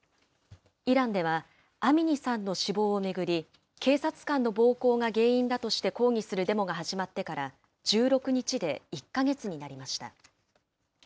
イランではアミニさんの死亡を巡り、警察官の暴行が原因だとして抗議するデモが始まってから、１６日で１か月になりました。